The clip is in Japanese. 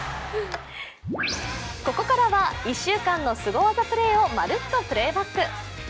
ここからは１週間のスゴ技プレーをまるっとプレーバック。